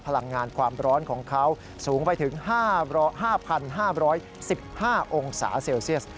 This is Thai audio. พลังงานความร้อนของเขาสูงไปถึง๕๕๑๕องศาเซลเซียส